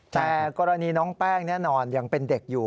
แต่กรณีน้องแป้งแน่นอนยังเป็นเด็กอยู่